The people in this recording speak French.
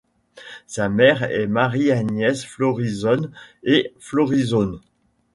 Sa mère est Marie-Agnès Florisone ou Florizoone.